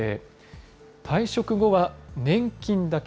退職後は年金だけ。